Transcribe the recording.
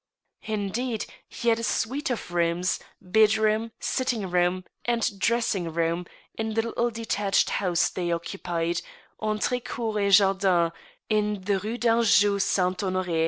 Indeed, he had a suite of rooms, bedroom, sitting room, and dressing room, in the little de tached house they occupied, entre cour etjardin, in the Rue d'Anjou Saint Honor6.